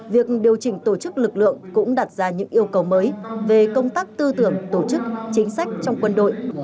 việc điều chỉnh tổ chức lực lượng cũng đặt ra những yêu cầu mới về công tác tư tưởng tổ chức chính sách trong quân đội